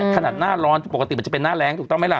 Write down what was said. ขนาดหน้าร้อนปกติมันจะเป็นหน้าแรงถูกต้องไหมล่ะ